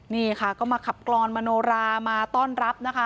นี่ค่ะก็มาขับกรอนมโนรามาต้อนรับนะคะ